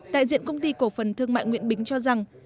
đại diện công ty cổ phần thương mại nguyễn bính cho rằng